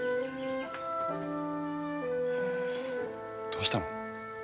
どうしたの？